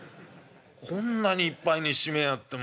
こんなにいっぱいにしちめえやがって。